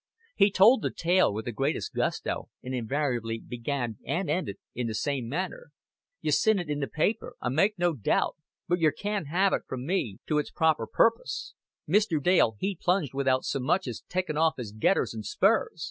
He told the tale with the greatest gusto, and invariably began and ended in the same manner. "You sin it in th' paper, I make no doubt, but yer can 'aave it from me to its proper purpus. Mr. Dale he plunged without so much as tekking off of his getters and spurs."